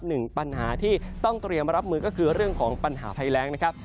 หนึ่งปัญหาที่ต้องเตรียมรับมือก็คือเรื่องของปัญหาภัยแรงนะครับ